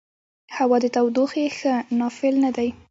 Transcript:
هوا د تودوخې ښه ناقل نه دی.